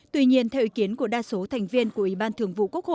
tuy nhiên theo ý kiến của đa số thành viên của ủy ban thường vụ quốc hội